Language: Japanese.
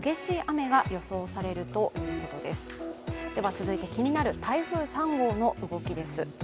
続いて気になる台風３号の動きです。